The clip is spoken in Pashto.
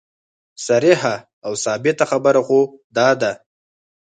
صریحه او ثابته خبره خو دا ده.